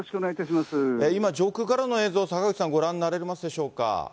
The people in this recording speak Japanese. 今、上空からの映像、坂口さん、ご覧になられますでしょうか。